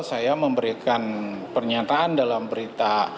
saya memberikan pernyataan dalam berita